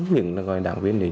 nhưng nó gọi là đảng viên lý